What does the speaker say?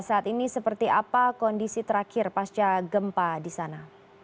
saat ini seperti apa kondisi terakhir pasca gempa di sana